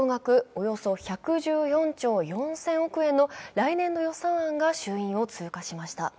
およそ１１４兆４０００億円の来年度予算案が衆院を通過しました。